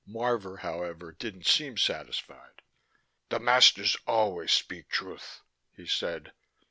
Marvor, however, didn't seem satisfied. "The masters always speak truth," he said.